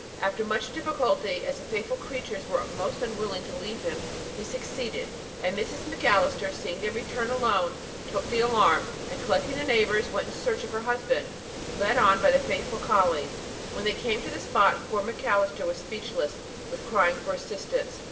After much difficulty, as the faithful creatures were most unwilling to leave him, he succeeded; and Mrs. Macalister, seeing them return alone, took the alarm, and collecting the neighbours, went in search of her husband, led on by the faithful colleys. When they came to the spot, poor Macalister was speechless with crying for assistance.